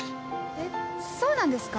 えっそうなんですか？